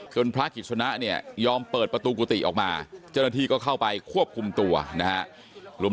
พระกิจสนะเนี่ยยอมเปิดประตูกุฏิออกมาเจ้าหน้าที่ก็เข้าไปควบคุมตัวนะครับ